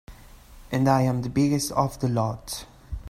And I'm the biggest of the lot.